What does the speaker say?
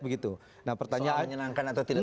soal menyenangkan atau tidak menyenangkan